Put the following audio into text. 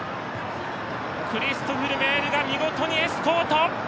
クリストフ・ルメールが見事にエスコート！